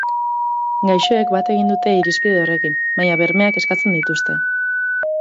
Gaixoek bat egin dute irizpide horrekin, baina bermeak eskatzen dituzte.